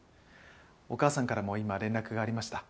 お母さんからも今連絡がありました。